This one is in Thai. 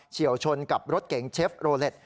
เชี่ยวชนกับรถเก๋งเชฟโรเล็ต